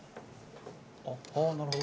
ああーなるほど。